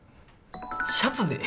シャツでえ！